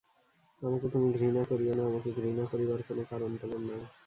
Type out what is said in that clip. আমাকে তুমি ঘৃণা করিয়ো না, আমাকে ঘৃণা করিবার কোনো কারণ তোমার নাই।